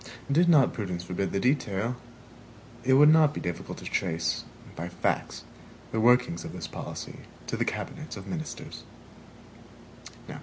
Did not prudence forbid the detail, it would not be difficult to trace, by facts, the workings of this policy to the cabinets of ministers.